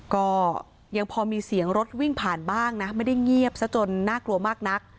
ก็ยังพอมีเสียงรถวิ่งผ่านบ้างนะไม่ได้เงียบซะจนน่ากลัวมากนัก